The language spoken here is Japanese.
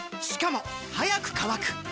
しかも速く乾く！